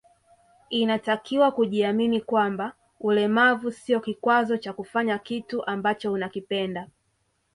Inatakiwa kujiamini kwamba ulemavu sio kikwazo cha kufanya kitu ambacho unakipenda